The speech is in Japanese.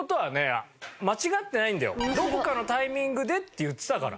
「どこかのタイミングで」って言ってたから。